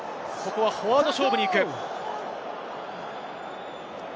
フォワード勝負に行く。